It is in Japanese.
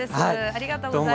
ありがとうございます。